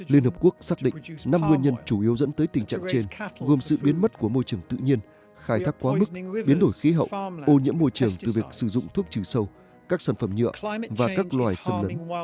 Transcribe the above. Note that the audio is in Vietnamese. liên hợp quốc xác định năm nguyên nhân chủ yếu dẫn tới tình trạng trên gồm sự biến mất của môi trường tự nhiên khai thác quá mức biến đổi khí hậu ô nhiễm môi trường từ việc sử dụng thuốc trừ sâu các sản phẩm nhựa và các loài xâm lấn